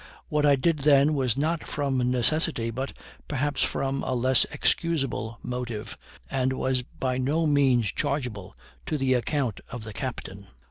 What I did then was not from necessity, but, perhaps, from a less excusable motive, and was by no means chargeable to the account of the captain.